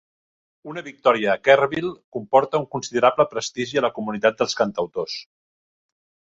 Una victòria a Kerrville comporta un considerable prestigi a la comunitat dels cantautors.